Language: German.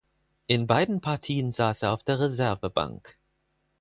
In beiden Partien saß er auf der Reservebank.